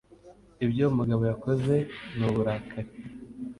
Ibyo uwo mugabo yakoze ni uburakari.